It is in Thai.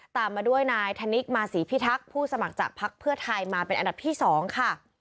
ตามมาด้วยนายธนิกมาศรีพิทักษ์ผู้สมัครจากพักเพื่อไทยมาเป็นอันดับที่๒ค่ะ